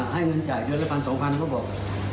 ให้เงินจ่ายเงินละ๑๐๐๐๒๐๐๐เขาบอก